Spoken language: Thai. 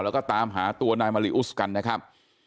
แล้วก็ตามหาตัวนายมาริอุสกันนะครับ